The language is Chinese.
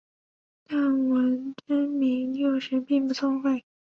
但文征明幼时并不聪慧。